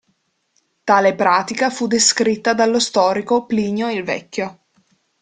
Tale pratica fu descritta dallo storico Plinio il Vecchio.